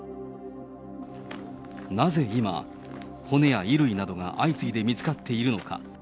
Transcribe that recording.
なぜ今、骨や衣類などが相次いで見つかっているのか。